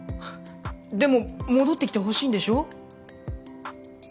でも戻ってきてほしいんでしょ？